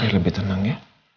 lebih tenang ya